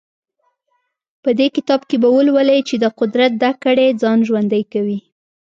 په دې کتاب کې به ولولئ چې د قدرت دا کړۍ ځان ژوندی کوي.